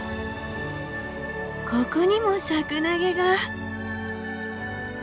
ここにもシャクナゲが！